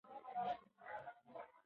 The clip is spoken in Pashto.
الوتکه په رن وې باندې په کراره روانه وه.